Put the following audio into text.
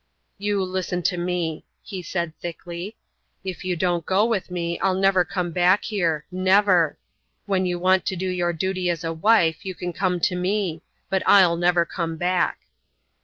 "You listen to me," he said thickly. "If you won't go with me I'll never come back here never. When you want to do your duty as a wife you can come to me. But I'll never come back."